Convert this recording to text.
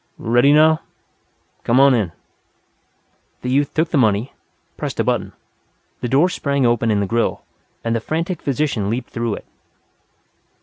Ready now. Come on in." The youth took the money, pressed a button. The door sprang open in the grill, and the frantic physician leaped through it.